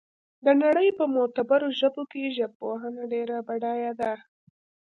د نړۍ په معتبرو ژبو کې ژبپوهنه ډېره بډایه ده